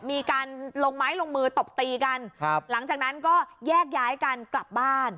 มีการลงไม้ลงมือตบตีกันครับหลังจากนั้นก็แยกย้ายกันกลับบ้าน